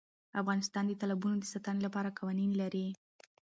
افغانستان د تالابونو د ساتنې لپاره قوانین لري.